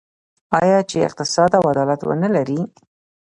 آیا چې اقتصاد او عدالت ونلري؟